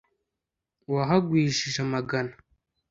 wahagwijije amagana.